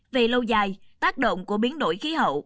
về lâu dài tác động của biến đổi khí hậu